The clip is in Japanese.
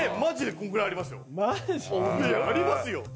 ありますよ。